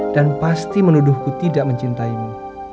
dan pasti menuduhku tidak mencintaimu